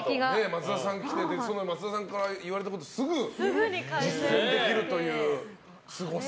松田さん来てその松田さんから言われたことをすぐ実践できるというすごさ。